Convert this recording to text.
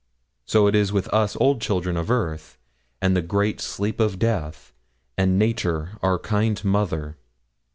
So it is with us old children of earth and the great sleep of death, and nature our kind mother.